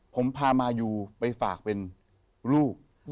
ผมพามายูไปฝากเป็นลูก